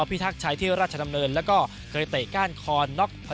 เพราะวิธีเอาฟาคนี้เต็มที่ครับ